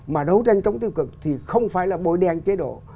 mà đấu tranh chống tiêu cực thì không phải là bội đen chế độ